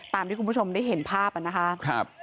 ตามที่คุณผู้ชมมันได้เห็นภาพอ่ะนะคะ